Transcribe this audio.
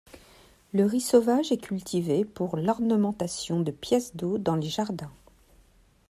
Le riz sauvage est cultivé pour l'ornementation de pièces d'eau dans les jardins.